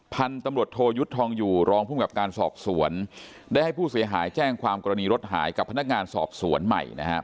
พันธุ์ตำรวจโทยุทธ์ทองอยู่รองภูมิกับการสอบสวนได้ให้ผู้เสียหายแจ้งความกรณีรถหายกับพนักงานสอบสวนใหม่นะครับ